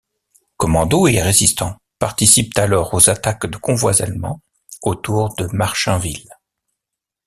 Commandos et résistants participent alors aux attaques de convois allemands autour de Marchainville.